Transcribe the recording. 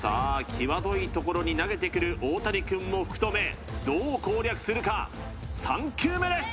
際どいところに投げてくるオオタニくんを福留どう攻略するか３球目です